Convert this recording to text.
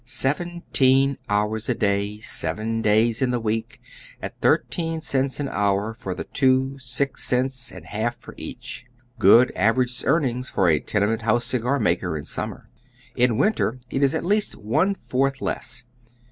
Seventeen hours a day, seven days in the week, at thirteen cents an hour for the two, six cents and a half for each ! Good average earnings for a tenement house cigarmaker in summer. In winter it is at least one fourth less.